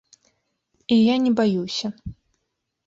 І я не баюся.